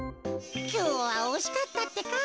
きょうはおしかったってか。